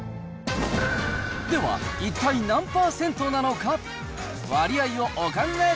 では、一体何％なのか。